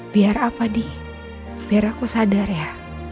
biar apa nih biar aku sadar ya